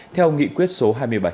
theo nghị quyết số hai mươi bảy